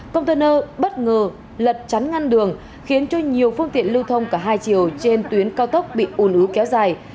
container bất ngờ lật chắn ngăn đường khiến cho nhiều phương tiện lưu thông cả hai chiều trên tuyến cao tốc bị ùn ứ kéo dài